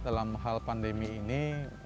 dalam hal pandemi ini